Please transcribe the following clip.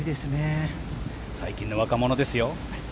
最近の若者ですよ。